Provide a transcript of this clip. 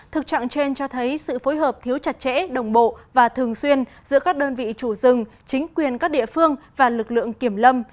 thực trạng trên cho thấy sự phối hợp thiếu chặt chẽ đồng bộ và thường xuyên giữa các đơn vị chủ rừng chính quyền các địa phương và lực lượng kiểm lâm